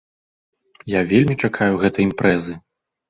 Я вельмі чакаю гэтай імпрэзы.